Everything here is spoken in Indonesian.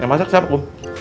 yang masak siapa kum